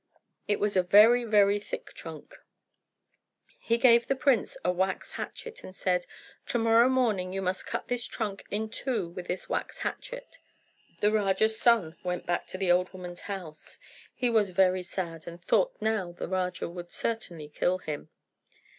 It was a very, very thick trunk. He gave the prince a wax hatchet, and said, "To morrow morning you must cut this trunk in two with this wax hatchet." The Raja's son went back to the old woman's house. He was very sad, and thought that now the Raja would certainly kill him.